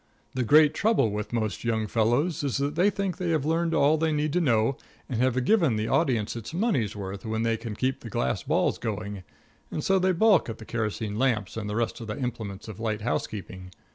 The great trouble with most young fellows is that they think they have learned all they need to know and have given the audience its money's worth when they can keep the glass balls going, and so they balk at the kerosene lamps and the rest of the implements of light housekeeping.